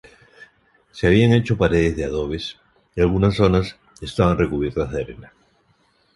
Se habían hecho paredes de adobes y algunas zonas estaban recubiertas de arena.